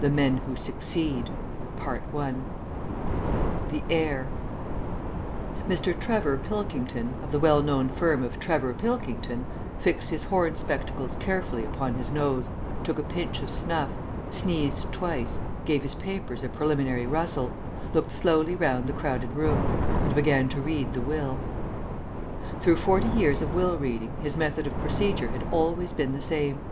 THE MEN WHO SUCCEED THE HEIR Mr. Trevor Pilkington, of the well known firm of Trevor Pilkington, fixed his horn spectacles carefully upon his nose, took a pinch of snuff, sneezed twice, gave his papers a preliminary rustle, looked slowly round the crowded room, and began to read the will. Through forty years of will reading his method of procedure had always been the same.